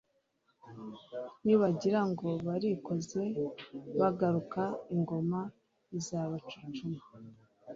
Nibagira ngo barikoze bagaruka, Ingoma izabacucuma